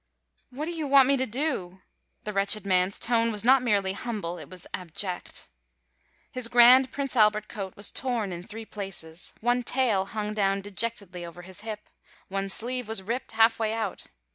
"What do you want me to do?" The wretched man's tone was not merely humble it was abject. His grand Prince Albert coat was torn in three places; one tail hung down dejectedly over his hip; one sleeve was ripped half way out.